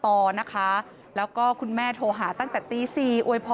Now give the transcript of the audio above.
ที่มีความสุขเล็กน้อยนะครับ